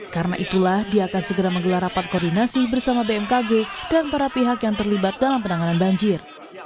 karena itulah dia akan segera menggelar rapat koordinasi bersama bmkg dan para pihak yang terlibat dalam penanganan banjir